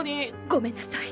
ごめんなさい。